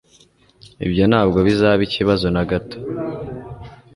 Ibyo ntabwo bizaba ikibazo na gato.